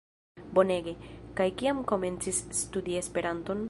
Bonege! kaj kiam komencis studi Esperanton?